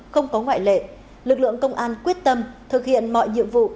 trong thời gian tới